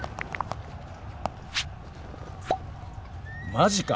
マジか！